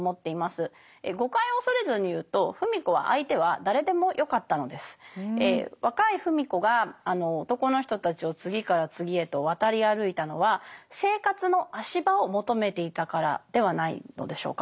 誤解を恐れずに言うと芙美子は若い芙美子が男の人たちを次から次へと渡り歩いたのは生活の足場を求めていたからではないのでしょうか。